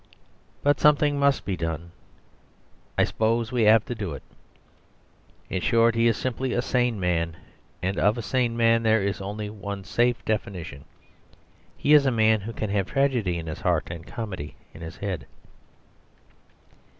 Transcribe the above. But something must be done. "I s'pose we 'ave to do it." In short, he is simply a sane man, and of a sane man there is only one safe definition. He is a man who can have tragedy in his heart and comedy in his head.